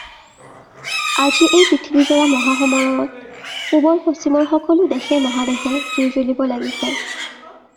আজি এই পৃথিৱীজোৰা মহাসমৰত পূবৰ পশ্চিমৰ সকলো দেশে, মহাদেশে জুই জ্বলিব লাগিছে